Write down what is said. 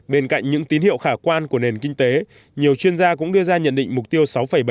bên cạnh những tín hiệu khả quan của nền kinh tế nhiều chuyên gia cũng đưa ra nhận định mục tiêu sáu bảy